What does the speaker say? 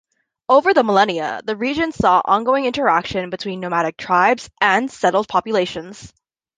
Over the millennia the region saw ongoing interaction between nomadic tribes and settled populations.